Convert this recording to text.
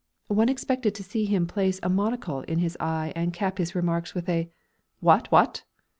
One expected to see him place a monocle in his eye and cap his remarks with a "What what?"